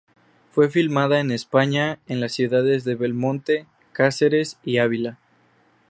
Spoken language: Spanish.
Fue filmada en España, en las ciudades de Belmonte, Cáceres y Ávila.